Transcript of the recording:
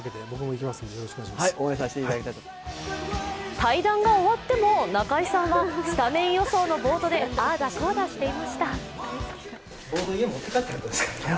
対談が終わっても中居さんはスタメン予想のボードであーだこーだしていました。